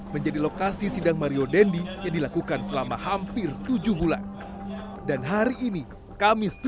menjadi lokasi sidang mario dandi dilakukan selama hampir tujuh bulan dan hari ini kamis